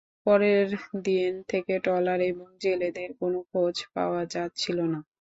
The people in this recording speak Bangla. পরের দিন থেকে ট্রলার এবং জেলেদের কোনো খোঁজ পাওয়া যাচ্ছিল না।